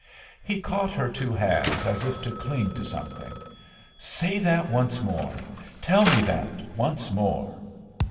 He caught her two hands, as if to cling to something. "Say that once more. Tell me that once more."